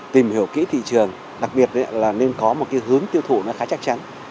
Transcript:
tìm hiểu kỹ thị trường đặc biệt là nên có một hướng tiêu thụ khá chắc chắn